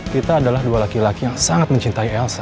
kita adalah dua laki laki yang sangat mencintai elsa